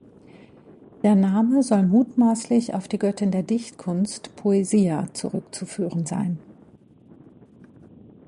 Der Name soll mutmaßlich auf die Göttin der Dichtkunst, "Poesia", zurückzuführen sein.